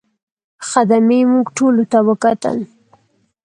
خدمې موږ ټولو ته وکتل.